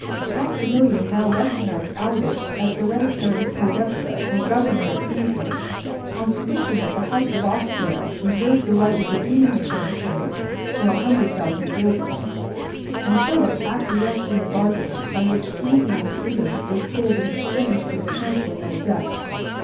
Maximilian now recognised Albert as hereditary Podesta or governor of Friesland on condition that the House of Austria reserved the right of redeeming the territory for 100,000 guilders; and Philip acquiesced in the bargain by which Frisian freedom was sold in exchange for the cancelling of a debt.